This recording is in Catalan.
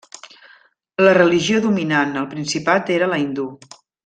La religió dominant al principat era la hindú.